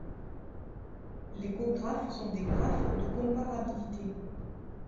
Les cographes sont des graphes de comparabilité.